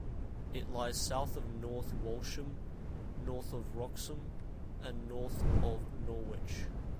It lies south of North Walsham, north of Wroxham, and north of Norwich.